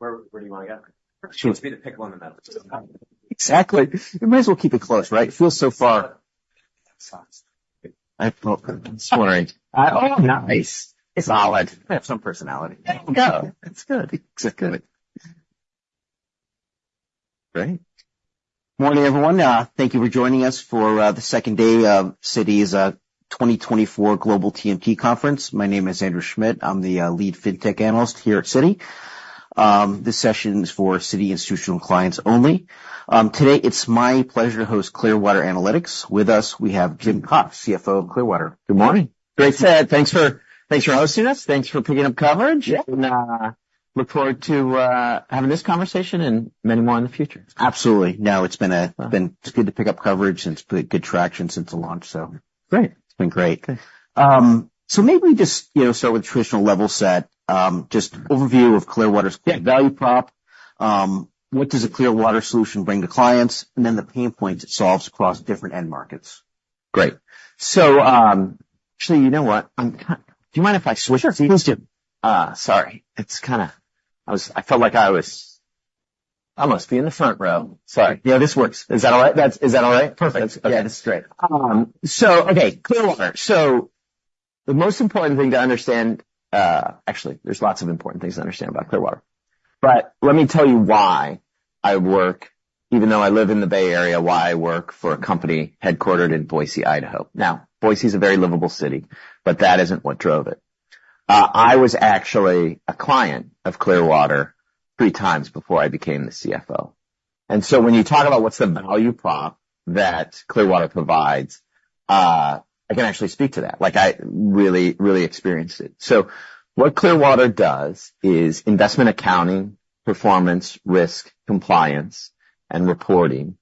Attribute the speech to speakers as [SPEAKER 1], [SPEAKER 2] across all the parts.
[SPEAKER 1] Where do you want to go?
[SPEAKER 2] Sure.
[SPEAKER 1] Let's be the pickle in the middle.
[SPEAKER 2] Exactly. We might as well keep it close, right? It feels so far.
[SPEAKER 1] Sorry.
[SPEAKER 2] I'm wondering. Oh, nice. It's solid.
[SPEAKER 1] I have some personality.
[SPEAKER 2] There you go. It's good.
[SPEAKER 1] Exactly.
[SPEAKER 2] Good morning, everyone. Thank you for joining us for the second day of Citi's 2024 Global TMT Conference. My name is Andrew Schmidt. I'm the Lead Fintech Analyst here at Citi. This session is for Citi institutional clients only. Today, it's my pleasure to host Clearwater Analytics. With us, we have Jim Cox, CFO of Clearwater. Good morning.
[SPEAKER 1] Great set. Thanks for hosting us. Thanks for picking up coverage.
[SPEAKER 2] Yeah.
[SPEAKER 1] Look forward to having this conversation and many more in the future.
[SPEAKER 2] Absolutely. No, it's been good to pick up coverage, and it's been good traction since the launch, so-
[SPEAKER 1] Great.
[SPEAKER 2] It's been great.
[SPEAKER 1] Okay.
[SPEAKER 2] So maybe we just, you know, start with traditional level set. Just overview of Clearwater's-
[SPEAKER 1] Yeah...
[SPEAKER 2] value prop. What does a Clearwater solution bring to clients? And then the pain points it solves across different end markets.
[SPEAKER 1] Great. So, see, you know what?
[SPEAKER 2] Do you mind if I switch seats?
[SPEAKER 1] Sure, please do. Sorry. It's kind of I felt like I was, I must be in the front row. Sorry. Yeah, this works. Is that all right? That's, is that all right?
[SPEAKER 2] Perfect.
[SPEAKER 1] Okay.
[SPEAKER 2] Yeah, this is great.
[SPEAKER 1] So, okay, Clearwater. So the most important thing to understand, actually, there's lots of important things to understand about Clearwater. But let me tell you why I work, even though I live in the Bay Area, why I work for a company headquartered in Boise, Idaho. Now, Boise is a very livable city, but that isn't what drove it. I was actually a client of Clearwater three times before I became the CFO. And so when you talk about what's the value prop that Clearwater provides, I can actually speak to that. Like, I really, really experienced it. So what Clearwater does is investment accounting, performance, risk, compliance, and reporting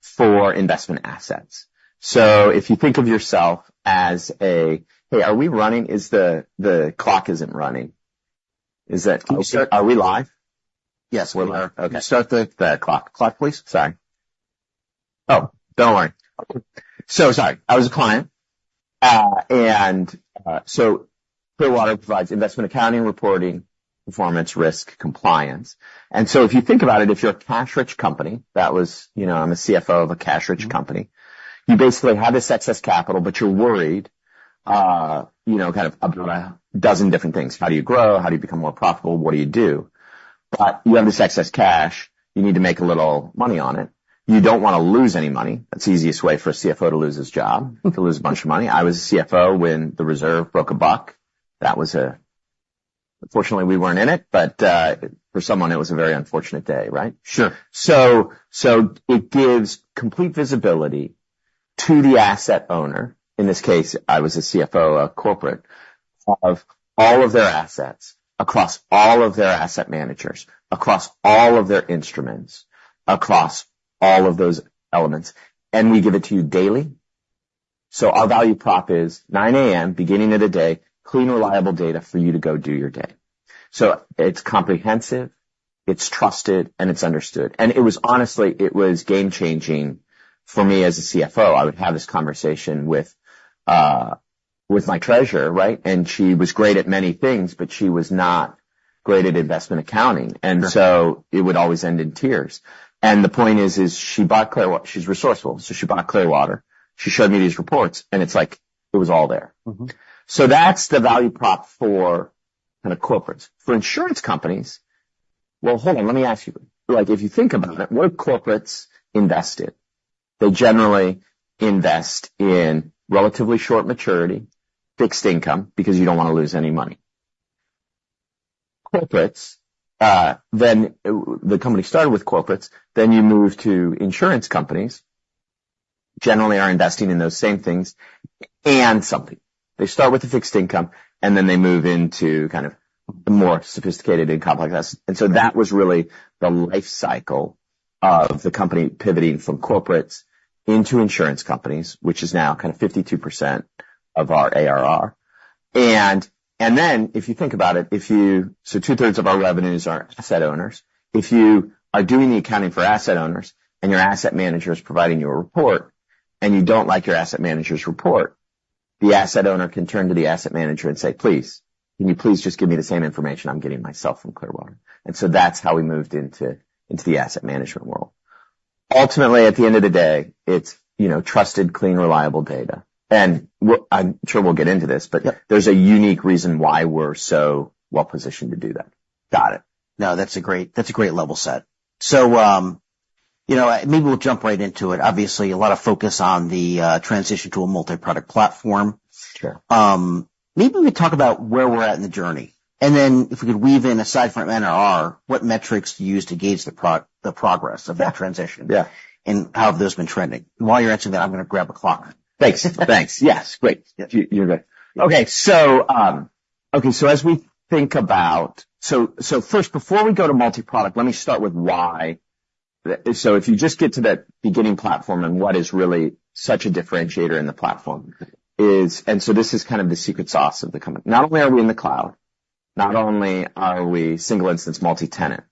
[SPEAKER 1] for investment assets. So if you think of yourself as a... Hey, are we running? Is the clock isn't running. Is that-
[SPEAKER 2] Okay.
[SPEAKER 1] Are we live?
[SPEAKER 2] Yes, we are.
[SPEAKER 1] Okay.
[SPEAKER 2] Start the clock, please.
[SPEAKER 1] Sorry. Oh, don't worry. So sorry. I was a client. And so Clearwater provides investment, accounting, reporting, performance, risk, compliance. And so if you think about it, if you're a cash-rich company, that was, you know, I'm a CFO of a cash-rich company.
[SPEAKER 2] Mm-hmm.
[SPEAKER 1] You basically have this excess capital, but you're worried, you know, kind of about a dozen different things. How do you grow? How do you become more profitable? What do you do? But you have this excess cash, you need to make a little money on it. You don't wanna lose any money. That's the easiest way for a CFO to lose his job--to lose a bunch of money. I was a CFO when The Reserve broke a buck. That was, fortunately, we weren't in it, but, for someone, it was a very unfortunate day, right?
[SPEAKER 2] Sure.
[SPEAKER 1] It gives complete visibility to the asset owner. In this case, I was a CFO of a corporate, of all of their assets, across all of their asset managers, across all of their instruments, across all of those elements, and we give it to you daily. Our value prop is 9:00 A.M., beginning of the day, clean, reliable data for you to go do your day. It's comprehensive, it's trusted, and it's understood. It was honestly game-changing for me as a CFO. I would have this conversation with my treasurer, right? She was great at many things, but she was not great at investment accounting.
[SPEAKER 2] Sure.
[SPEAKER 1] And so it would always end in tears. And the point is, she bought Clearwater. She's resourceful, so she bought Clearwater. She showed me these reports, and it's like, it was all there.
[SPEAKER 2] Mm-hmm.
[SPEAKER 1] So that's the value prop for kind of corporates. For insurance companies... Well, hold on, let me ask you. Like, if you think about it, where corporates invest it, they generally invest in relatively short maturity, fixed income, because you don't want to lose any money. Corporates, then, the company started with corporates, then you move to insurance companies, generally are investing in those same things and something. They start with the fixed income, and then they move into kind of more sophisticated and complex assets.
[SPEAKER 2] Mm-hmm.
[SPEAKER 1] That was really the life cycle of the company, pivoting from corporates into insurance companies, which is now kind of 52% of our ARR. Then, if you think about it, so two-thirds of our revenues are asset owners. If you are doing the accounting for asset owners, and your asset manager is providing you a report, and you don't like your asset manager's report, the asset owner can turn to the asset manager and say, "Please, can you please just give me the same information I'm getting myself from Clearwater?" That's how we moved into the asset management world. Ultimately, at the end of the day, it's, you know, trusted, clean, reliable data. I'm sure we'll get into this.
[SPEAKER 2] Yeah.
[SPEAKER 1] But there's a unique reason why we're so well positioned to do that.
[SPEAKER 2] Got it. Now, that's a great, that's a great level set. So, you know, maybe we'll jump right into it. Obviously, a lot of focus on the transition to a multi-product platform.
[SPEAKER 1] Sure.
[SPEAKER 2] Maybe we talk about where we're at in the journey, and then if we could weave in aside from NRR, what metrics do you use to gauge the progress of that transition?
[SPEAKER 1] Yeah.
[SPEAKER 2] And how have those been trending? And while you're answering that, I'm gonna grab a clock.
[SPEAKER 1] Thanks. Thanks. Yes, great. You're good. Okay, so as we think about. So first, before we go to multi-product, let me start with why. So if you just get to that beginning platform, and what is really such a differentiator in the platform is, and so this is kind of the secret sauce of the company. Not only are we in the cloud, not only are we single instance multi-tenant.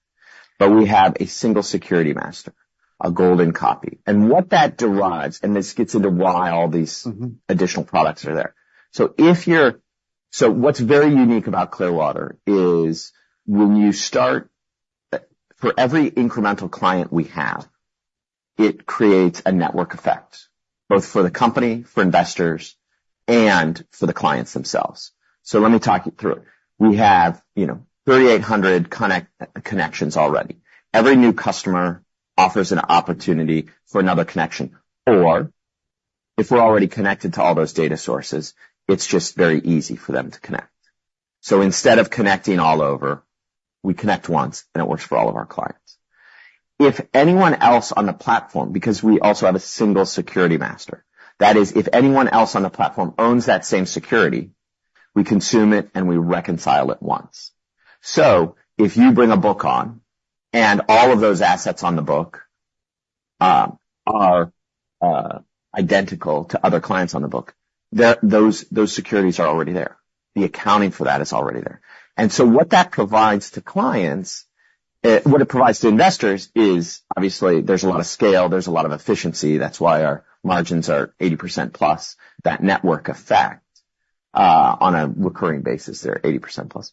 [SPEAKER 1] But we have a single security master, a golden copy. And what that derives, and this gets into why all these-
[SPEAKER 2] Mm-hmm.
[SPEAKER 1] Additional products are there. So what's very unique about Clearwater is when you start, for every incremental client we have, it creates a network effect, both for the company, for investors, and for the clients themselves. So let me talk you through it. We have, you know, 3,800 connections already. Every new customer offers an opportunity for another connection, or if we're already connected to all those data sources, it's just very easy for them to connect. So instead of connecting all over, we connect once, and it works for all of our clients. If anyone else on the platform, because we also have a single security master, that is, if anyone else on the platform owns that same security, we consume it, and we reconcile it once. So if you bring a book on, and all of those assets on the book are identical to other clients on the book, those securities are already there. The accounting for that is already there. And so what that provides to clients, what it provides to investors is, obviously, there's a lot of scale, there's a lot of efficiency. That's why our margins are 80%+, that network effect, on a recurring basis, they're 80%+.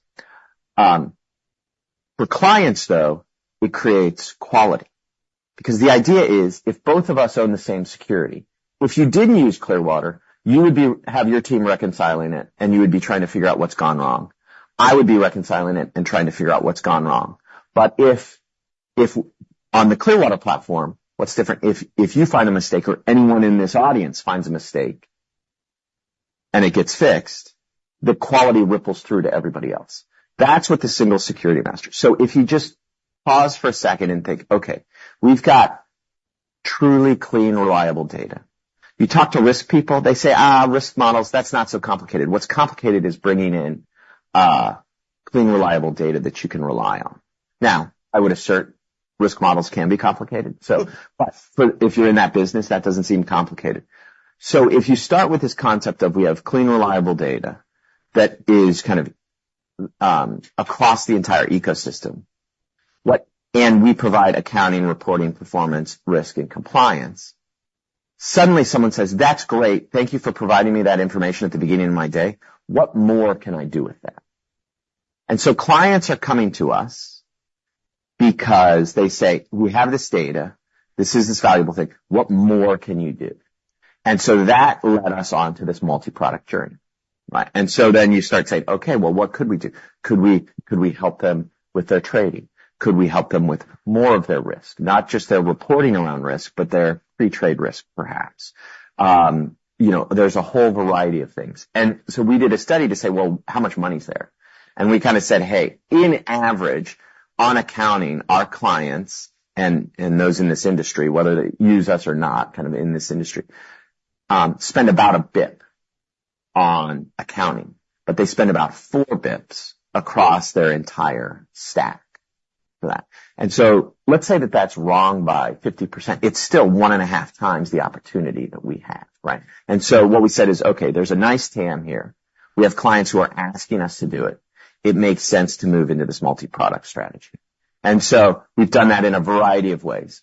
[SPEAKER 1] For clients, though, it creates quality. Because the idea is, if both of us own the same security, if you didn't use Clearwater, you would have your team reconciling it, and you would be trying to figure out what's gone wrong. I would be reconciling it and trying to figure out what's gone wrong. But if, if on the Clearwater platform, what's different, if, if you find a mistake or anyone in this audience finds a mistake, and it gets fixed, the quality ripples through to everybody else. That's what the single security master... So if you just pause for a second and think, okay, we've got truly clean, reliable data. You talk to risk people, they say, "Ah, risk models, that's not so complicated." What's complicated is bringing in clean, reliable data that you can rely on. Now, I would assert risk models can be complicated. So-
[SPEAKER 2] Yes.
[SPEAKER 1] But if you're in that business, that doesn't seem complicated. So if you start with this concept of we have clean, reliable data, that is kind of across the entire ecosystem. And we provide accounting, reporting, performance, risk, and compliance. Suddenly someone says, "That's great. Thank you for providing me that information at the beginning of my day. What more can I do with that?" And so clients are coming to us because they say, "We have this data. This is this valuable thing. What more can you do?" And so that led us onto this multi-product journey, right? And so then you start saying, "Okay, well, what could we do? Could we help them with their trading? Could we help them with more of their risk, not just their reporting around risk, but their pre-trade risk, perhaps?" You know, there's a whole variety of things, and so we did a study to say, "Well, how much money's there?" And we kind of said, "Hey, on average, on accounting, our clients and those in this industry, whether they use us or not, kind of in this industry, spend about a bip on accounting, but they spend about four bips across their entire stack for that, and so let's say that that's wrong by 50%, it's still one and a half times the opportunity that we have, right, and so what we said is, 'Okay, there's a nice TAM here. We have clients who are asking us to do it.' It makes sense to move into this multi-product strategy, and so we've done that in a variety of ways.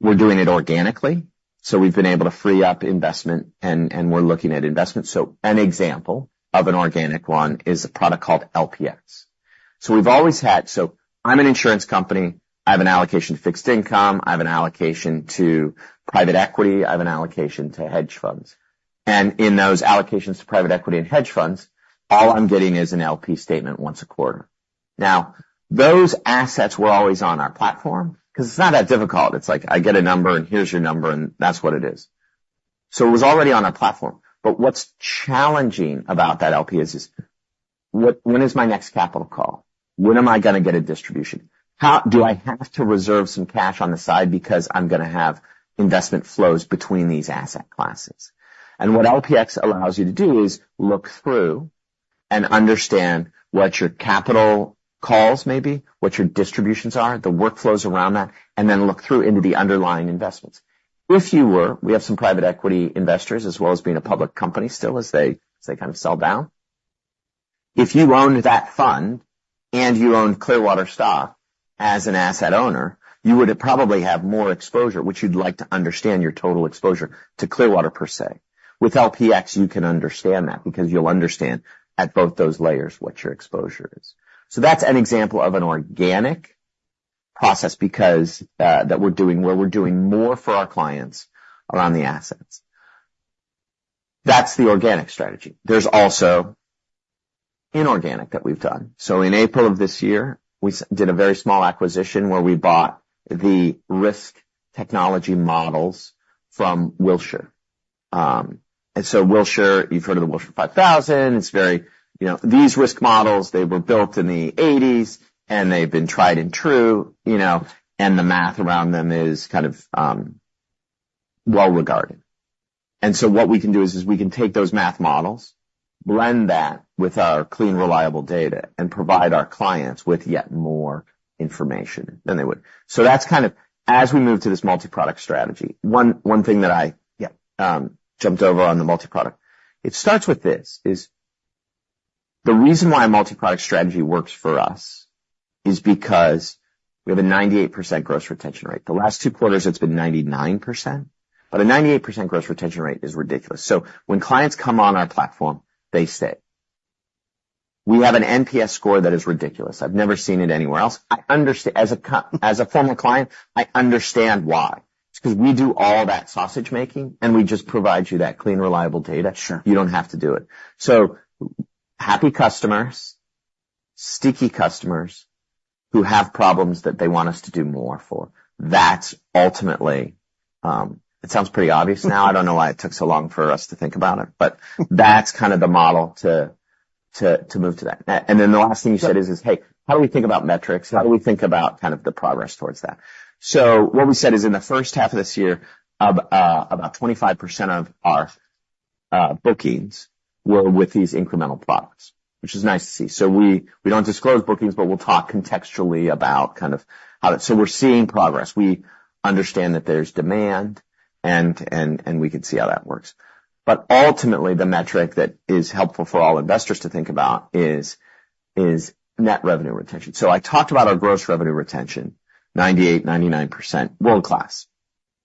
[SPEAKER 1] We're doing it organically, so we've been able to free up investment, and we're looking at investment, so an example of an organic one is a product called LPX, so we've always had... so I'm an insurance company, I have an allocation to fixed income, I have an allocation to private equity, I have an allocation to hedge funds, and in those allocations to private equity and hedge funds, all I'm getting is an LP statement once a quarter. Now, those assets were always on our platform because it's not that difficult. It's like, I get a number, and here's your number, and that's what it is, so it was already on our platform, but what's challenging about that LP is this: what, when is my next capital call? When am I gonna get a distribution? How do I have to reserve some cash on the side because I'm gonna have investment flows between these asset classes, and what LPX allows you to do is look through and understand what your capital calls may be, what your distributions are, the workflows around that, and then look through into the underlying investments. If you were, we have some private equity investors, as well as being a public company, still as they kind of sell down. If you owned that fund and you owned Clearwater stock as an asset owner, you would probably have more exposure, which you'd like to understand your total exposure to Clearwater per se. With LPX, you can understand that because you'll understand at both those layers what your exposure is. So that's an example of an organic process, because that we're doing, where we're doing more for our clients around the assets. That's the organic strategy. There's also inorganic that we've done. So in April of this year, we did a very small acquisition where we bought the risk technology models from Wilshire. And so Wilshire, you've heard of the Wilshire 5000. It's very, you know, these risk models, they were built in the eighties, and they've been tried and true, you know, and the math around them is kind of well regarded. And so what we can do is we can take those math models, blend that with our clean, reliable data, and provide our clients with yet more information than they would. So that's kind of... As we move to this multi-product strategy, one thing that I-
[SPEAKER 2] Yeah
[SPEAKER 1] jumped over on the multi-product. It starts with this. The reason why a multiproduct strategy works for us is because we have a 98% gross retention rate. The last two quarters, it's been 99%, but a 98% gross retention rate is ridiculous. So when clients come on our platform, they stay. We have an NPS score that is ridiculous. I've never seen it anywhere else. As a former client, I understand why. It's because we do all that sausage making, and we just provide you that clean, reliable data.
[SPEAKER 2] Sure.
[SPEAKER 1] You don't have to do it, so happy customers, sticky customers, who have problems that they want us to do more for, that's ultimately it sounds pretty obvious now. I don't know why it took so long for us to think about it, but that's kind of the model to move to that. Then the last thing you said is, "Hey, how do we think about metrics? How do we think about kind of the progress towards that?" What we said is, in the first half of this year, of about 25% of our bookings were with these incremental products, which is nice to see. So we don't disclose bookings, but we'll talk contextually about kind of how. So we're seeing progress. We understand that there's demand, and we can see how that works. But ultimately, the metric that is helpful for all investors to think about is net revenue retention. So I talked about our gross revenue retention, 98%-99%, world-class.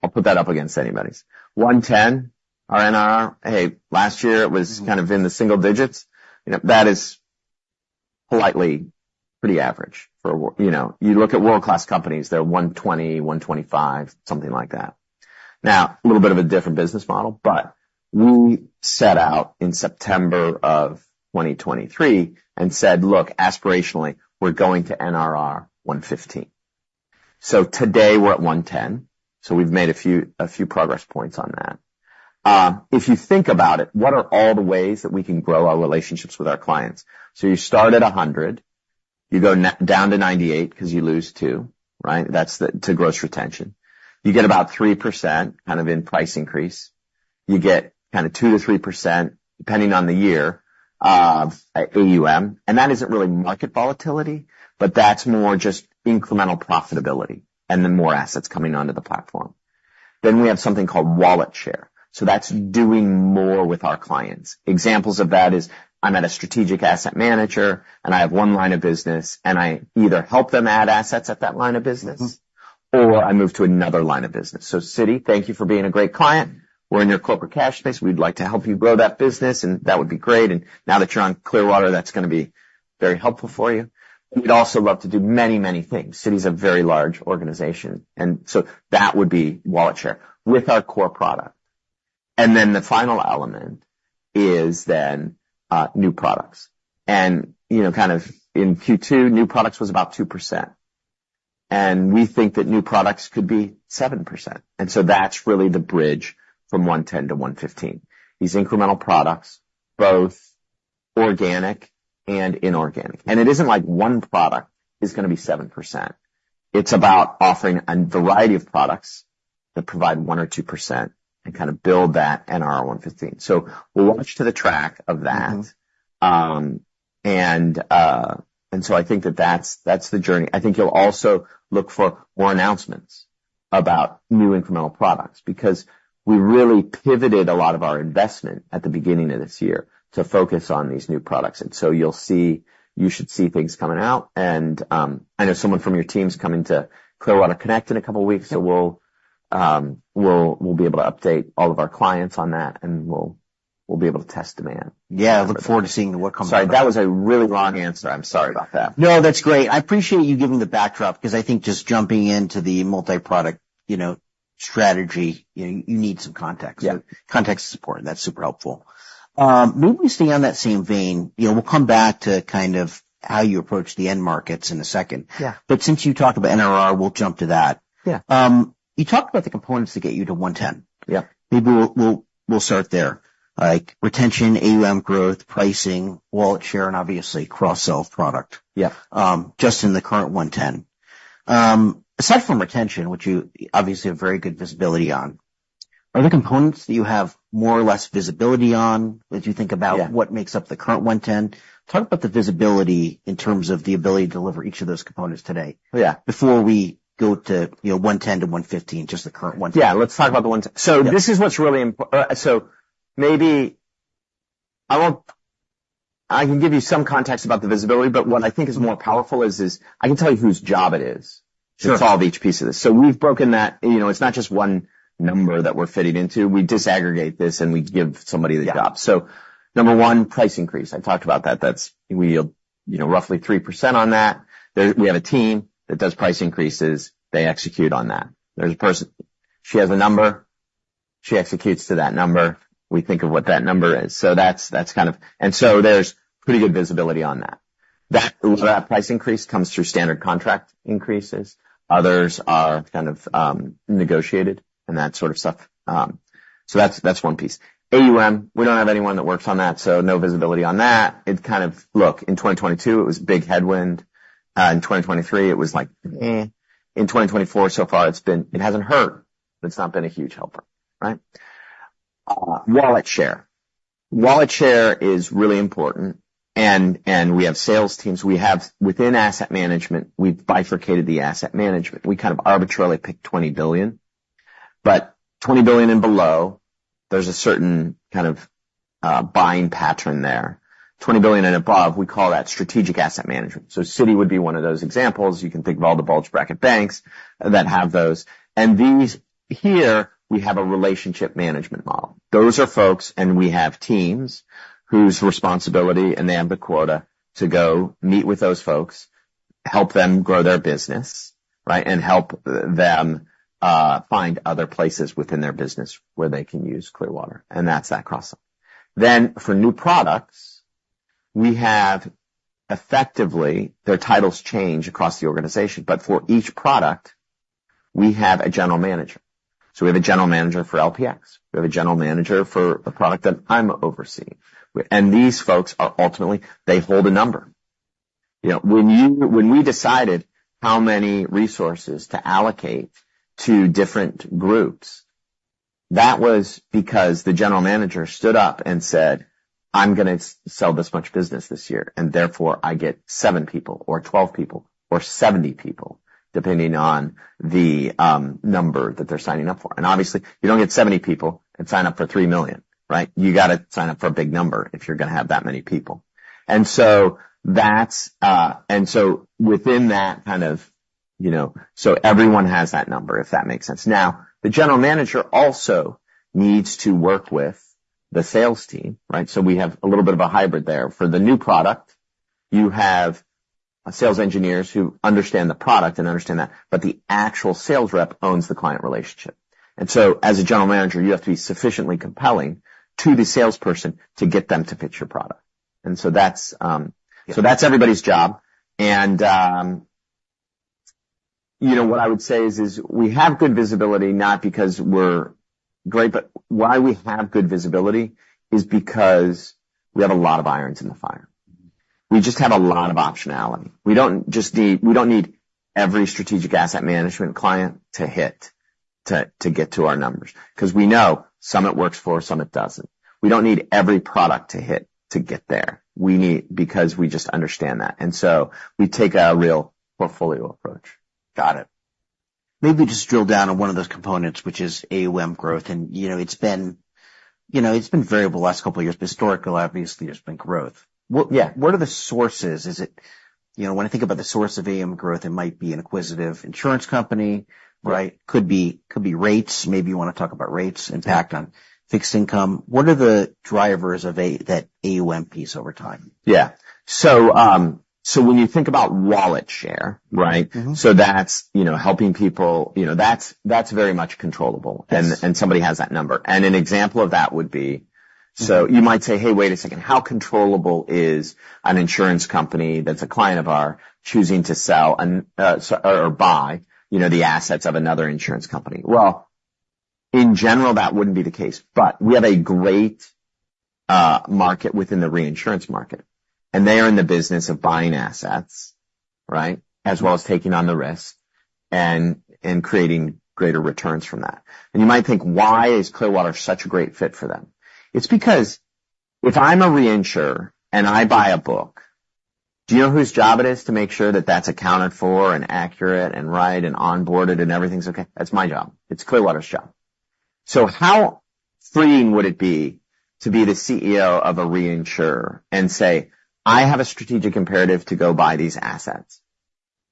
[SPEAKER 1] I'll put that up against anybody's. 110, our NRR. Hey, last year it was kind of in the single digits, you know, that is politely pretty average for a world, you know, you look at world-class companies, they're 120, 125, something like that. Now, a little bit of a different business model, but we set out in September 2023 and said, "Look, aspirationally, we're going to NRR 115." So today, we're at 110, so we've made a few progress points on that. If you think about it, what are all the ways that we can grow our relationships with our clients? You start at 100, you go down to 98 because you lose 2, right? That's the gross retention. You get about 3%, kind of, in price increase. You get kind of 2%-3%, depending on the year, of AUM, and that isn't really market volatility, but that's more just incremental profitability and the more assets coming onto the platform. Then we have something called wallet share, so that's doing more with our clients. Examples of that is, I'm at a strategic asset manager, and I have one line of business, and I either help them add assets at that line of business-
[SPEAKER 2] Mm-hmm.
[SPEAKER 1] or I move to another line of business. So Citi, thank you for being a great client. We're in your corporate cash space. We'd like to help you grow that business, and that would be great. And now that you're on Clearwater, that's gonna be very helpful for you. We'd also love to do many, many things. Citi is a very large organization, and so that would be wallet share with our core product. And then the final element is then, new products. And, you know, kind of in Q2, new products was about 2%, and we think that new products could be 7%, and so that's really the bridge from 110-115. These incremental products, both organic and inorganic. And it isn't like one product is gonna be 7%. It's about offering a variety of products that provide 1% or 2% and kind of build that NRR 115. So we'll watch the track of that.
[SPEAKER 2] Mm-hmm.
[SPEAKER 1] And so I think that's the journey. I think you'll also look for more announcements about new incremental products, because we really pivoted a lot of our investment at the beginning of this year to focus on these new products. And so you should see things coming out. And I know someone from your team is coming to Clearwater Connect in a couple of weeks.
[SPEAKER 2] Yep.
[SPEAKER 1] So we'll be able to update all of our clients on that, and we'll be able to test demand.
[SPEAKER 2] Yeah, I look forward to seeing what comes out.
[SPEAKER 1] Sorry, that was a really long answer. I'm sorry about that.
[SPEAKER 2] No, that's great. I appreciate you giving the backdrop, because I think just jumping into the multiproduct, you know, strategy, you need some context.
[SPEAKER 1] Yeah.
[SPEAKER 2] Context is important. That's super helpful. Maybe we stay on that same vein. You know, we'll come back to kind of how you approach the end markets in a second.
[SPEAKER 1] Yeah.
[SPEAKER 2] But since you talked about NRR, we'll jump to that.
[SPEAKER 1] Yeah.
[SPEAKER 2] You talked about the components to get you to 110.
[SPEAKER 1] Yeah.
[SPEAKER 2] Maybe we'll start there, like retention, AUM growth, pricing, wallet share, and obviously, cross-sell product.
[SPEAKER 1] Yeah.
[SPEAKER 2] Just in the current environment. Aside from retention, which you obviously have very good visibility on, are there components that you have more or less visibility on as you think about-
[SPEAKER 1] Yeah...
[SPEAKER 2] What makes up the current 110? Talk about the visibility in terms of the ability to deliver each of those components today.
[SPEAKER 1] Yeah.
[SPEAKER 2] Before we go to, you know, 110-115, just the current 110.
[SPEAKER 1] Yeah, let's talk about the 110.
[SPEAKER 2] Yeah.
[SPEAKER 1] So maybe I won't. I can give you some context about the visibility, but what I think is more powerful is I can tell you whose job it is-
[SPEAKER 2] Sure
[SPEAKER 1] To solve each piece of this. So we've broken that. You know, it's not just one number that we're fitting into. We disaggregate this, and we give somebody the job.
[SPEAKER 2] Yeah.
[SPEAKER 1] So number one, price increase. I talked about that. That's we, you know, roughly 3% on that. We have a team that does price increases. They execute on that. There's a person, she has a number, she executes to that number. We think of what that number is. So that's, that's kind of. And so there's pretty good visibility on that. That, a lot of that price increase comes through standard contract increases. Others are kind of negotiated and that sort of stuff. So that's, that's one piece. AUM, we don't have anyone that works on that, so no visibility on that. It kind of. Look, in 2022, it was a big headwind. In 2023, it was like, eh. In 2024, so far it's been, it hasn't hurt, but it's not been a huge helper, right? Wallet share. Wallet share is really important, and we have sales teams. We have, within asset management, we've bifurcated the asset management. We kind of arbitrarily picked 20 billion. But 20 billion and below, there's a certain kind of buying pattern there. 20 billion and above, we call that strategic asset management. So Citi would be one of those examples. You can think of all the bulge bracket banks that have those. And these here, we have a relationship management model. Those are folks, and we have teams, whose responsibility, and they have the quota, to go meet with those folks, help them grow their business, right? And help them find other places within their business where they can use Clearwater, and that's that cross-sell. Then for new products, we have effectively, their titles change across the organization, but for each product, we have a general manager. So we have a general manager for LPX. We have a general manager for a product that I'm overseeing. And these folks are ultimately, they hold a number. You know, when we decided how many resources to allocate to different groups, that was because the general manager stood up and said, "I'm gonna sell this much business this year, and therefore, I get 7 people or 12 people or 70 people," depending on the number that they're signing up for. And obviously, you don't get 70 people and sign up for $3 million, right? You got a sign up for a big number if you're gonna have that many people. And so that's. And so within that kind of, you know, so everyone has that number, if that makes sense. Now, the general manager also needs to work with the sales team, right? So we have a little bit of a hybrid there. For the new product, you have sales engineers who understand the product and understand that, but the actual sales rep owns the client relationship. And so as a general manager, you have to be sufficiently compelling to the salesperson to get them to pitch your product. And so that's everybody's job. And, you know, what I would say is we have good visibility, not because we're great, but why we have good visibility is because we have a lot of irons in the fire. We just have a lot of optionality. We don't need every strategic asset management client to hit to get to our numbers, 'cause we know some it works for, some it doesn't. We don't need every product to hit to get there. We need... Because we just understand that, and so we take a real portfolio approach.
[SPEAKER 2] Got it. Maybe just drill down on one of those components, which is AUM growth, and, you know, it's been, you know, it's been variable the last couple of years. Historically, obviously, there's been growth.
[SPEAKER 1] Yeah.
[SPEAKER 2] What are the sources? Is it, you know, when I think about the source of AUM growth, it might be an acquisitive insurance company, right?
[SPEAKER 1] Right.
[SPEAKER 2] Could be, could be rates. Maybe you wanna talk about rates impact on fixed income. What are the drivers of that AUM piece over time?
[SPEAKER 1] Yeah. So when you think about wallet share, right?
[SPEAKER 2] Mm-hmm.
[SPEAKER 1] So that's, you know, helping people. You know, that's very much controllable-
[SPEAKER 2] Yes.
[SPEAKER 1] and somebody has that number. And an example of that would be-
[SPEAKER 2] Mm-hmm.
[SPEAKER 1] So you might say, "Hey, wait a second, how controllable is an insurance company that's a client of ours choosing to sell or buy, you know, the assets of another insurance company?" Well, in general, that wouldn't be the case, but we have a great market within the reinsurance market, and they are in the business of buying assets, right? As well as taking on the risk and creating greater returns from that. You might think, why is Clearwater such a great fit for them? It's because if I'm a reinsurer and I buy a book, do you know whose job it is to make sure that that's accounted for and accurate and right and onboarded and everything's okay? That's my job. It's Clearwater's job. So how freeing would it be to be the CEO of a reinsurer and say, "I have a strategic imperative to go buy these assets,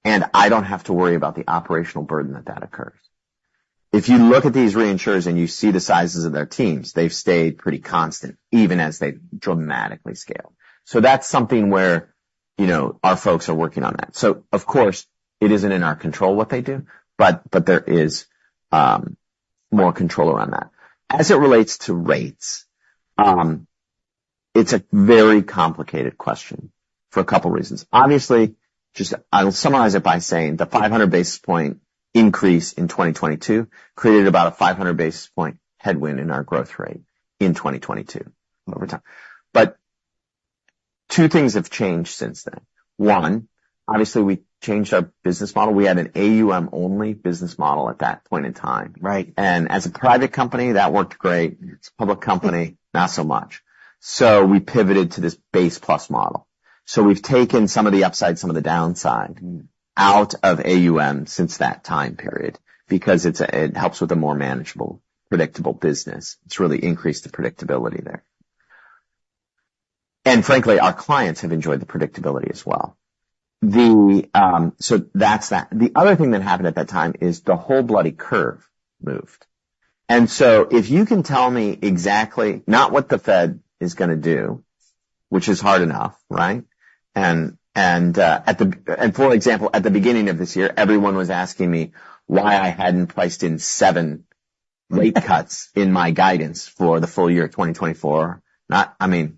[SPEAKER 1] and I don't have to worry about the operational burden that occurs"? If you look at these reinsurers and you see the sizes of their teams, they've stayed pretty constant, even as they dramatically scale. So that's something where, you know, our folks are working on that. So of course, it isn't in our control what they do, but there is more control around that. As it relates to rates, it's a very complicated question for a couple reasons. Obviously, just I'll summarize it by saying the 500 basis point increase in 2022 created about a 500 basis point headwind in our growth rate in 2022 over time. But two things have changed since then. One, obviously, we changed our business model. We had an AUM-only business model at that point in time.
[SPEAKER 2] Right.
[SPEAKER 1] And as a private company, that worked great. As a public company, not so much. So we pivoted to this base plus model. So we've taken some of the upside, some of the downside-
[SPEAKER 2] Mm.
[SPEAKER 1] Out of AUM since that time period because it's, it helps with a more manageable, predictable business. It's really increased the predictability there. And frankly, our clients have enjoyed the predictability as well. The... So that's that. The other thing that happened at that time is the whole bloody curve moved. And so if you can tell me exactly, not what the Fed is gonna do, which is hard enough, right? And, and, at the... And for example, at the beginning of this year, everyone was asking me why I hadn't priced in seven rate cuts in my guidance for the full year of 2024. Not, I mean,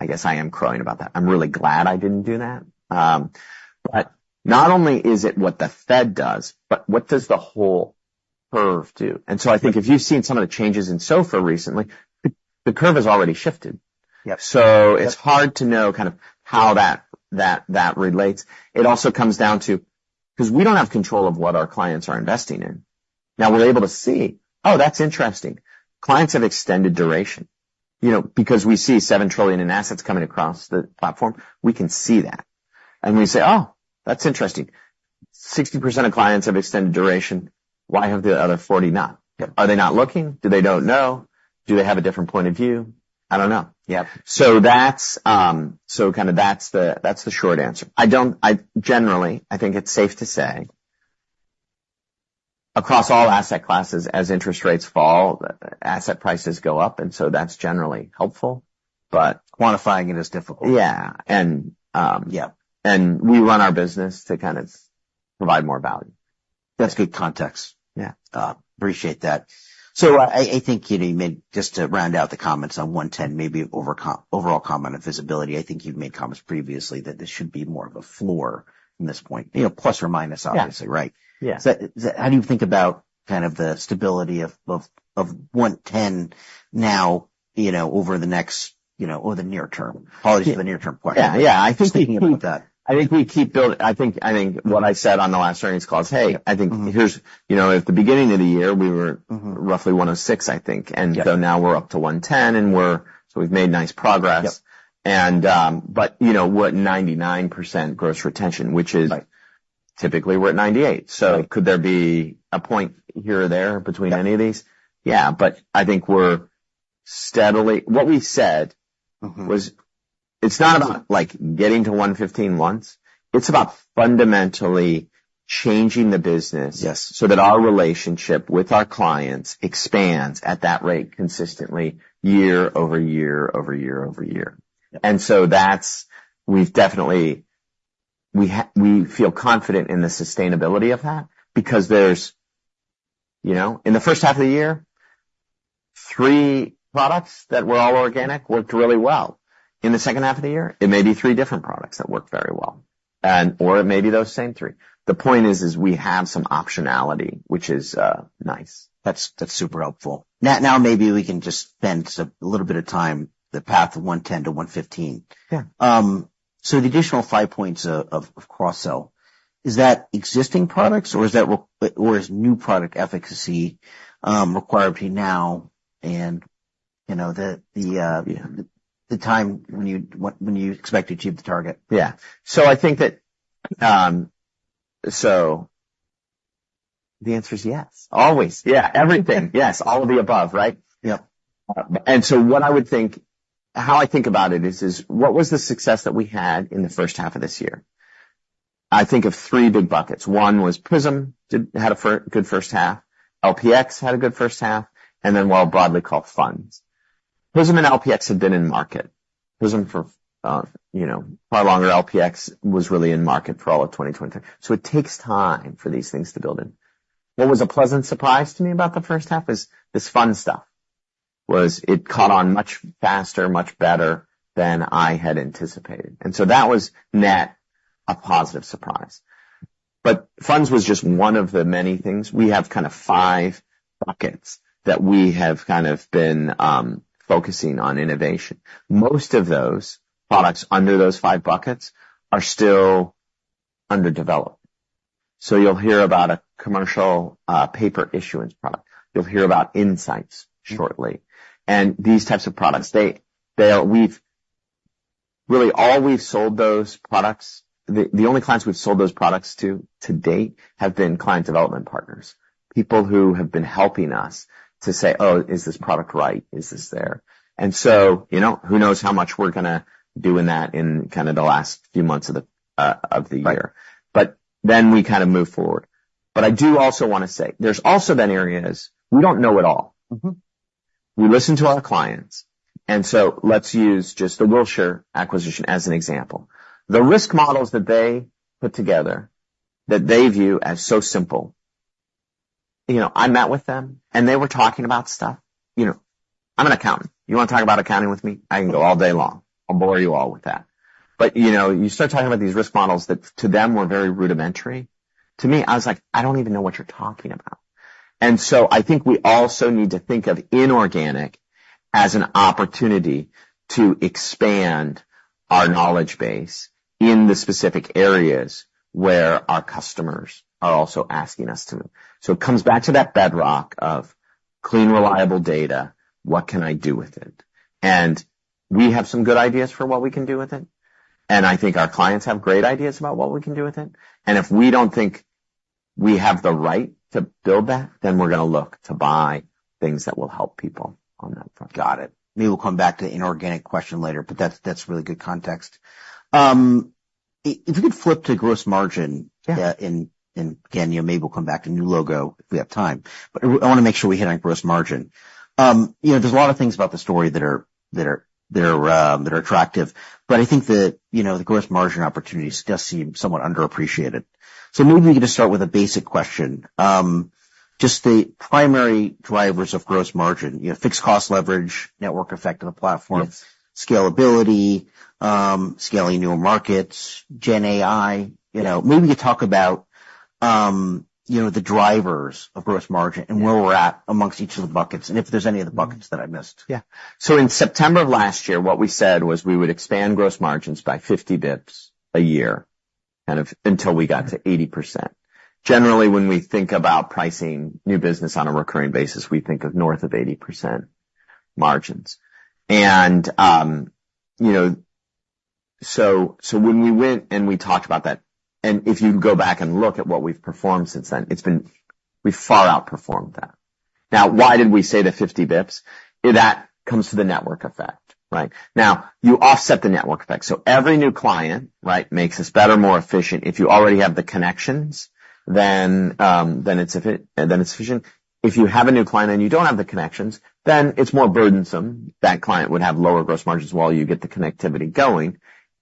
[SPEAKER 1] I guess I am crying about that. I'm really glad I didn't do that, but not only is it what the Fed does, but what does the whole curve do? I think if you've seen some of the changes in SOFR recently, the curve has already shifted.
[SPEAKER 2] Yep.
[SPEAKER 1] It's hard to know kind of how that relates. It also comes down to, 'cause we don't have control of what our clients are investing in. Now, we're able to see, oh, that's interesting. Clients have extended duration... you know, because we see $7 trillion in assets coming across the platform, we can see that. We say, "Oh, that's interesting. 60% of clients have extended duration. Why have the other 40 not?
[SPEAKER 2] Yep.
[SPEAKER 1] Are they not looking? Do they don't know? Do they have a different point of view? I don't know.
[SPEAKER 2] Yep.
[SPEAKER 1] That's kind of the short answer. I generally think it's safe to say, across all asset classes, as interest rates fall, the asset prices go up, and so that's generally helpful, but- Quantifying it is difficult.
[SPEAKER 2] Yeah. And
[SPEAKER 1] Yeah. We run our business to kind of provide more value.
[SPEAKER 2] That's good context.
[SPEAKER 1] Yeah.
[SPEAKER 2] Appreciate that. So I think, you know, you made just to round out the comments on 110, maybe overall comment on visibility. I think you've made comments previously, that this should be more of a floor from this point, you know, plus or minus, obviously, right?
[SPEAKER 1] Yeah.
[SPEAKER 2] How do you think about kind of the stability of 110 now, you know, over the next, you know, over the near term? Apologies for the near term point.
[SPEAKER 1] Yeah.
[SPEAKER 2] I'm just thinking about that.
[SPEAKER 1] I think we keep building. I think what I said on the last earnings call is, hey, I think-
[SPEAKER 2] Mm-hmm.
[SPEAKER 1] Here's, you know, at the beginning of the year, we were-
[SPEAKER 2] Mm-hmm...
[SPEAKER 1] roughly 106, I think, and-
[SPEAKER 2] Yeah
[SPEAKER 1] So now we're up to 110, and so we've made nice progress.
[SPEAKER 2] Yep.
[SPEAKER 1] But you know what, 99% gross retention, which is-
[SPEAKER 2] Right
[SPEAKER 1] Typically, we're at 98.
[SPEAKER 2] Right.
[SPEAKER 1] So could there be a point here or there between any of these? Yeah, but I think we're steadily... What we said-
[SPEAKER 2] Mm-hmm...
[SPEAKER 1] was. It's not about, like, getting to 115 once. It's about fundamentally changing the business-
[SPEAKER 2] Yes
[SPEAKER 1] so that our relationship with our clients expands at that rate consistently, year-over-year, over-year, over-year.
[SPEAKER 2] Yeah.
[SPEAKER 1] And so that's. We've definitely we feel confident in the sustainability of that, because there's you know in the first half of the year three products that were all organic, worked really well. In the second half of the year, it may be three different products that work very well, and or it may be those same three. The point is we have some optionality, which is nice.
[SPEAKER 2] That's super helpful. Now maybe we can just spend a little bit of time, the path of 110-115.
[SPEAKER 1] Yeah.
[SPEAKER 2] So the additional five points of cross-sell, is that existing products, or is that or is new product efficacy required now? And you know, the, the
[SPEAKER 1] Yeah
[SPEAKER 2] the time when you expect to achieve the target.
[SPEAKER 1] Yeah. So I think that,
[SPEAKER 2] The answer is yes.
[SPEAKER 1] Always. Yeah, everything. Yes, all of the above, right?
[SPEAKER 2] Yep.
[SPEAKER 1] How I think about it is what was the success that we had in the first half of this year? I think of three big buckets. One was Prism had a good first half. LPX had a good first half, and then, what I'll broadly call Funds. Prism and LPX had been in market. Prism for, you know, far longer. LPX was really in market for all of 2020. So it takes time for these things to build in. What was a pleasant surprise to me about the first half is, this fund stuff was. It caught on much faster, much better than I had anticipated, and so that was net, a positive surprise. Funds was just one of the many things. We have kind of five buckets, that we have kind of been focusing on innovation. Most of those products under those five buckets are still under development. So you'll hear about a commercial paper issuance product. You'll hear about Insights-
[SPEAKER 2] Mm-hmm...
[SPEAKER 1] shortly. And these types of products, they are. We've really, all we've sold those products, the only clients we've sold those products to date have been client development partners. People who have been helping us to say, "Oh, is this product right? Is this there?" And so, you know, who knows how much we're gonna do in that in kind of the last few months of the year.
[SPEAKER 2] Right.
[SPEAKER 1] But then we kind of move forward. But I do also wanna say, there's also been areas we don't know at all.
[SPEAKER 2] Mm-hmm.
[SPEAKER 1] We listen to our clients, and so let's use just the Wilshire acquisition as an example. The risk models that they put together, that they view as so simple, you know, I met with them, and they were talking about stuff, you know, I'm an accountant. You wanna talk about accounting with me? I can go all day long. I'll bore you all with that. But, you know, you start talking about these risk models, that to them, were very rudimentary. To me, I was like, "I don't even know what you're talking about." And so I think we also need to think of inorganic as an opportunity to expand our knowledge base in the specific areas where our customers are also asking us to. So it comes back to that bedrock of clean, reliable data. What can I do with it? And we have some good ideas for what we can do with it, and I think our clients have great ideas about what we can do with it. And if we don't think we have the right to build that, then we're gonna look to buy things that will help people on that front.
[SPEAKER 2] Got it. Maybe we'll come back to the inorganic question later, but that's, that's really good context. If you could flip to gross margin-
[SPEAKER 1] Yeah...
[SPEAKER 2] and again, you know, maybe we'll come back to new logo, if we have time, but I wanna make sure we hit on gross margin. You know, there's a lot of things about the story that are attractive, but I think that, you know, the gross margin opportunities does seem somewhat underappreciated. So maybe we can just start with a basic question. Just the primary drivers of gross margin, you know, fixed cost leverage, network effect of the platform-
[SPEAKER 1] Yes...
[SPEAKER 2] scalability, scaling new markets, GenAI.
[SPEAKER 1] Yeah.
[SPEAKER 2] You know, maybe you talk about, you know, the drivers of gross margin-
[SPEAKER 1] Yeah
[SPEAKER 2] and where we're at amongst each of the buckets, and if there's any other buckets that I missed.
[SPEAKER 1] Yeah. So in September of last year, what we said was we would expand gross margins by 50 basis points a year, kind of until we got to 80%. Generally, when we think about pricing new business on a recurring basis, we think of north of 80% margins. And, you know, so, so when we went and we talked about that, and if you go back and look at what we've performed since then, it's been. We've far outperformed that. Now, why did we say the 50 basis points? That comes to the network effect, right? Now, you offset the network effect, so every new client, right, makes us better, more efficient. If you already have the connections, then it's efficient. If you have a new client and you don't have the connections, then it's more burdensome. That client would have lower gross margins while you get the connectivity going,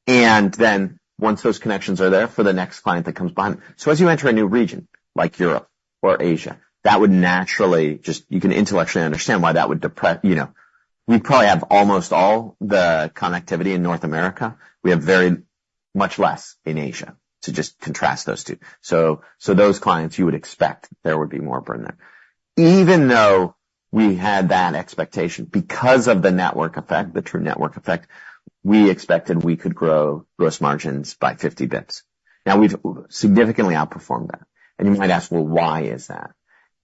[SPEAKER 1] and then once those connections are there for the next client, that comes behind, so as you enter a new region, like Europe or Asia, that would naturally just... You can intellectually understand why that would depress, you know. We probably have almost all the connectivity in North America. We have very much less in Asia. To just contrast those two. So, so those clients, you would expect there would be more burden there. Even though we had that expectation because of the network effect, the true network effect, we expected we could grow gross margins by 50 bips. Now we've significantly outperformed that, and you might ask, "Well, why is that?"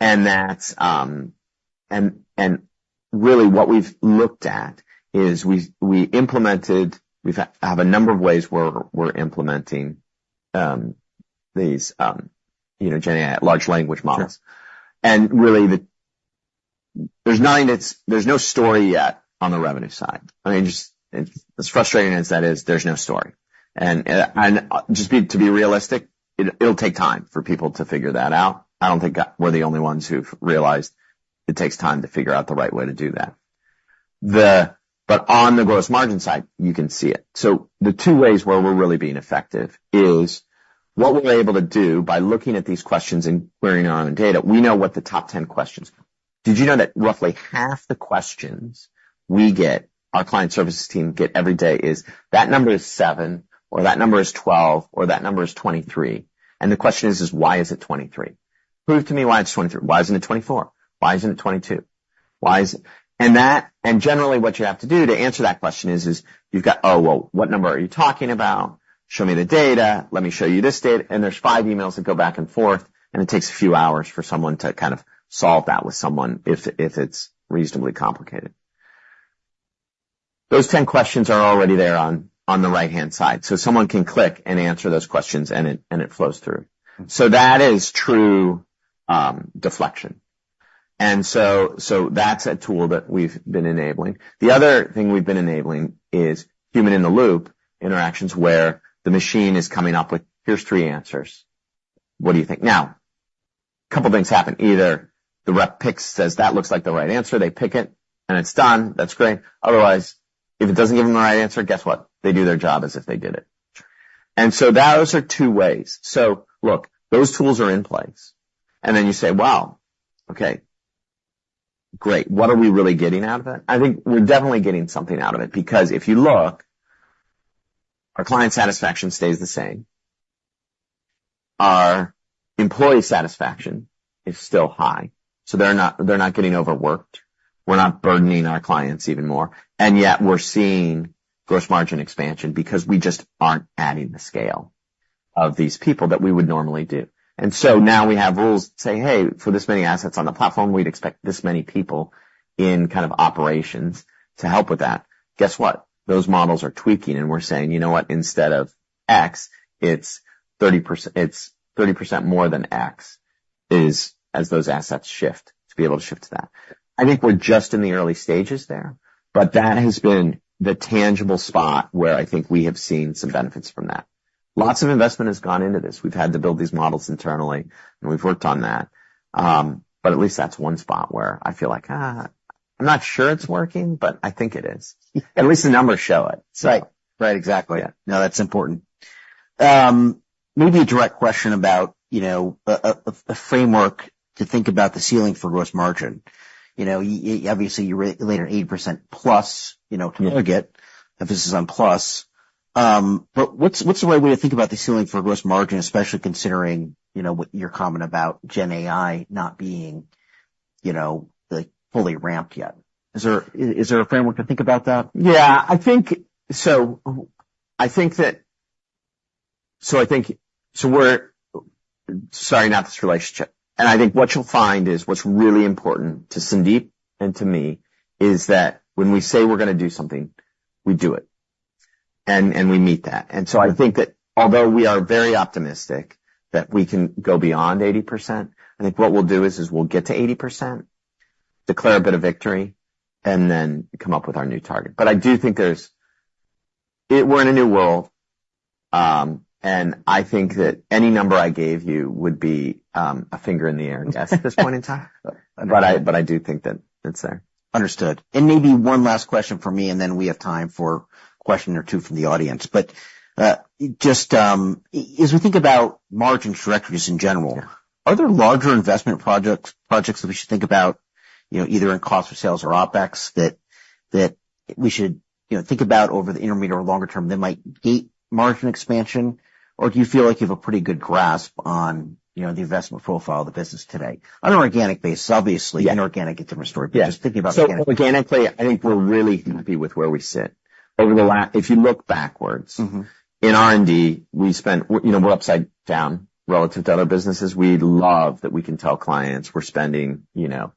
[SPEAKER 1] And that's really what we've looked at is we've implemented a number of ways where we're implementing these, you know, GenAI, large language models.
[SPEAKER 2] Sure.
[SPEAKER 1] And really, there's no story yet on the revenue side. I mean, just as frustrating as that is, there's no story. And just to be realistic, it'll take time for people to figure that out. I don't think we're the only ones who've realized it takes time to figure out the right way to do that. But on the gross margin side, you can see it. So the two ways where we're really being effective is what we're able to do by looking at these questions and querying on the data. We know what the top 10 questions. Did you know that roughly half the questions we get, our client services team get every day is, "That number is seven, or that number is 12, or that number is 23." And the question is: Why is it 23? Prove to me why it's 23. Why isn't it 24? Why isn't it 22? Why is it... And that, and generally, what you have to do to answer that question is you've got, "Oh, well, what number are you talking about? Show me the data. Let me show you this data." And there's five emails that go back and forth, and it takes a few hours for someone to kind of solve that with someone, if it's reasonably complicated. Those 10 questions are already there on the right-hand side, so someone can click and answer those questions, and it flows through.
[SPEAKER 2] Mm.
[SPEAKER 1] So that is true, deflection. And so that's a tool that we've been enabling. The other thing we've been enabling is human in the loop interactions, where the machine is coming up with, "Here's three answers. What do you think?" Now, a couple of things happen. Either the rep picks, says, "That looks like the right answer," they pick it, and it's done. That's great. Otherwise, if it doesn't give them the right answer, guess what? They do their job as if they did it.
[SPEAKER 2] Sure.
[SPEAKER 1] And so those are two ways. So look, those tools are in place, and then you say, "Wow! Okay, great. What are we really getting out of that?" I think we're definitely getting something out of it. Because if you look, our client satisfaction stays the same. Our employee satisfaction is still high, so they're not getting overworked. We're not burdening our clients even more, and yet we're seeing gross margin expansion because we just aren't adding the scale of these people that we would normally do. And so now we have rules say, "Hey, for this many assets on the platform, we'd expect this many people in kind of operations to help with that." Guess what? Those models are tweaking, and we're saying, "You know what? Instead of X, it's 30%. It's 30% more than X, is as those assets shift, to be able to shift to that." I think we're just in the early stages there, but that has been the tangible spot where I think we have seen some benefits from that. Lots of investment has gone into this. We've had to build these models internally, and we've worked on that. But at least that's one spot where I feel like, I'm not sure it's working, but I think it is. At least the numbers show it, so-
[SPEAKER 2] Right. Right, exactly.
[SPEAKER 1] Yeah.
[SPEAKER 2] No, that's important. Maybe a direct question about, you know, a framework to think about the ceiling for gross margin. You know, obviously, you laid an 80%+, you know, to get-
[SPEAKER 1] Yeah.
[SPEAKER 2] Emphasis on plus. But what's the right way to think about the ceiling for gross margin, especially considering, you know, what your comment about GenAI not being, you know, like, fully ramped yet? Is there a framework to think about that?
[SPEAKER 1] Yeah, I think what you'll find is what's really important to Sandeep and to me is that when we say we're gonna do something, we do it, and we meet that.
[SPEAKER 2] Yeah.
[SPEAKER 1] And so I think that although we are very optimistic that we can go beyond 80%, I think what we'll do is we'll get to 80%, declare a bit of victory, and then come up with our new target. But I do think we're in a new world, and I think that any number I gave you would be a finger in the air and yes, at this point in time.
[SPEAKER 2] Understood.
[SPEAKER 1] But I do think that it's there.
[SPEAKER 2] Understood. And maybe one last question from me, and then we have time for a question or two from the audience. But, just, as we think about margin trajectories in general-
[SPEAKER 1] Yeah.
[SPEAKER 2] Are there larger investment projects, projects that we should think about, you know, either in cost or sales or OpEx, that we should, you know, think about over the intermediate or longer term, that might gate margin expansion? Or do you feel like you have a pretty good grasp on, you know, the investment profile of the business today? On an organic basis, obviously, inorganic it's a different story.
[SPEAKER 1] Yeah.
[SPEAKER 2] But just thinking about organic.
[SPEAKER 1] So organically, I think we're really happy with where we sit. Over the last, if you look backwards-
[SPEAKER 3] Mm-hmm.
[SPEAKER 1] In R&D, we spent, you know, we're upside down relative to other businesses. We love that we can tell clients we're spending, you know,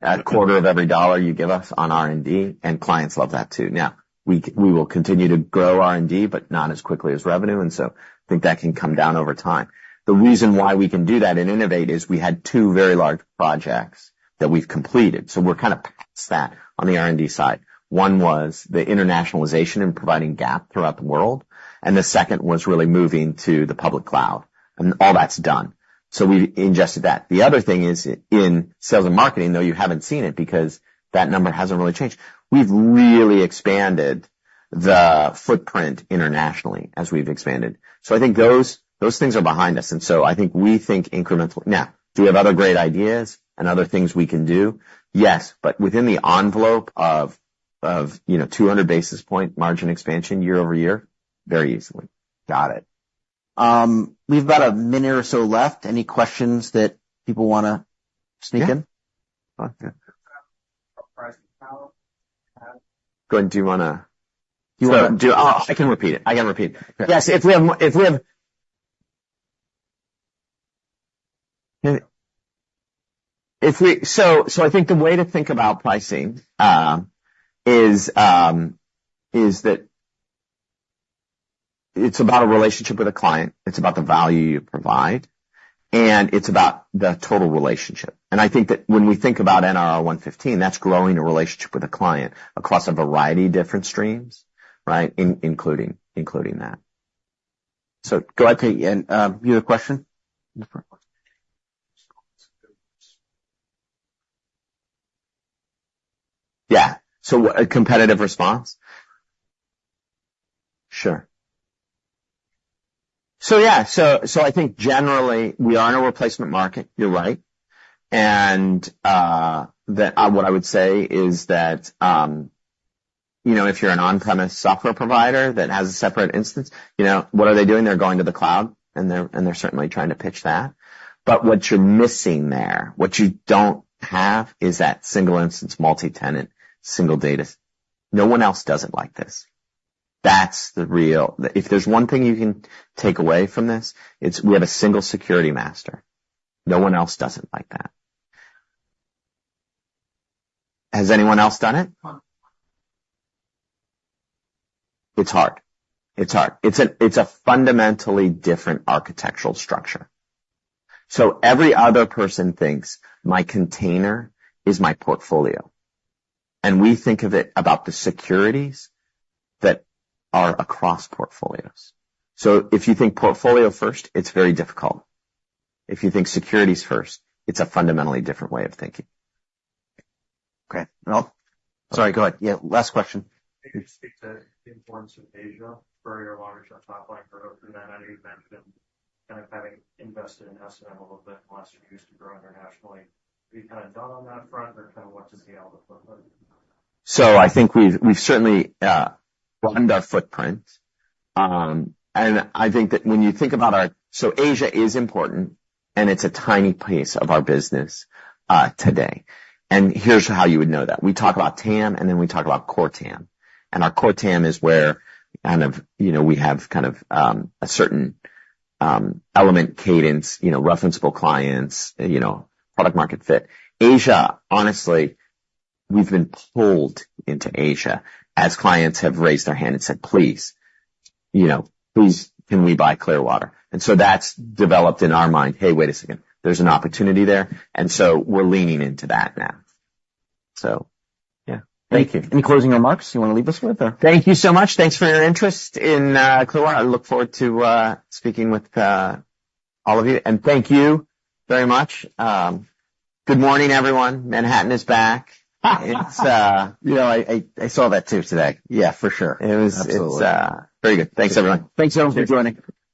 [SPEAKER 1] a quarter of every dollar you give us on R&D, and clients love that, too. Now, we, we will continue to grow R&D, but not as quickly as revenue, and so I think that can come down over time. The reason why we can do that and innovate is we had two very large projects that we've completed, so we're kind of past that on the R&D side. One was the internationalization and providing GAAP throughout the world, and the second was really moving to the public cloud, and all that's done. So we've ingested that. The other thing is, in sales and marketing, though, you haven't seen it, because that number hasn't really changed. We've really expanded the footprint internationally as we've expanded. I think those things are behind us, and so I think we think incrementally. Now, do we have other great ideas and other things we can do? Yes, but within the envelope of, you know, 200 basis point margin expansion year-over-year, very easily.
[SPEAKER 2] Got it. We've about a minute or so left. Any questions that people wanna sneak in?
[SPEAKER 1] Yeah. Oh, good. Go ahead. Do you wanna-
[SPEAKER 2] Do you wanna-
[SPEAKER 1] Oh, I can repeat it. I can repeat it.
[SPEAKER 2] Yes, if we have-
[SPEAKER 1] So I think the way to think about pricing is that it's about a relationship with a client, it's about the value you provide, and it's about the total relationship. And I think that when we think about NRR 115, that's growing a relationship with a client across a variety of different streams, right? Including that.
[SPEAKER 2] Go ahead, Pete, and you had a question? In the front.
[SPEAKER 1] Yeah. So a competitive response? Sure. So yeah, I think generally, we are in a replacement market, you're right. And what I would say is that, you know, if you're an on-premise software provider that has a separate instance, you know, what are they doing? They're going to the cloud, and they're certainly trying to pitch that. But what you're missing there, what you don't have, is that single instance, multi-tenant, single data. No one else does it like this. That's the real... If there's one thing you can take away from this, it's we have a single security master. No one else does it like that. Has anyone else done it? It's hard. It's hard. It's a fundamentally different architectural structure. So every other person thinks, "My container is my portfolio." And we think of it about the securities that are across portfolios. So if you think portfolio first, it's very difficult. If you think securities first, it's a fundamentally different way of thinking. Okay, well...
[SPEAKER 2] Sorry, go ahead. Yeah, last question. Can you speak to the importance of Asia for your larger top line growth? I know you've mentioned kind of having invested in S&M a little bit last year to grow internationally. Are you kind of done on that front or kind of what do you see on the footprint?
[SPEAKER 1] So I think we've certainly broadened our footprint. And I think that when you think about our, so Asia is important, and it's a tiny piece of our business today. And here's how you would know that. We talk about TAM, and then we talk about core TAM. And our core TAM is where kind of, you know, we have kind of a certain element cadence, you know, referenceable clients, you know, product-market fit. Asia, honestly, we've been pulled into Asia, as clients have raised their hand and said: Please, you know, please, can we buy Clearwater? And so that's developed in our mind, "Hey, wait a second, there's an opportunity there," and so we're leaning into that now. So, yeah. Thank you.
[SPEAKER 2] Any closing remarks you want to leave us with, or?
[SPEAKER 1] Thank you so much. Thanks for your interest in Clearwater. I look forward to speaking with all of you, and thank you very much. Good morning, everyone. Manhattan is back.
[SPEAKER 2] It's... You know, I saw that, too, today.
[SPEAKER 1] Yeah, for sure.
[SPEAKER 2] It was-
[SPEAKER 1] Absolutely.
[SPEAKER 2] It's very good. Thanks, everyone.
[SPEAKER 1] Thanks, everyone, for joining.